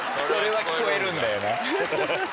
それは聞こえるんだ。